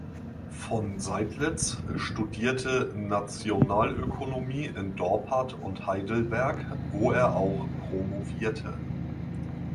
Von Seidlitz studierte Nationalökonomie in Dorpat und Heidelberg, wo er auch promovierte.